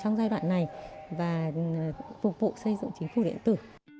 trong giai đoạn này và phục vụ xây dựng chính phủ điện tử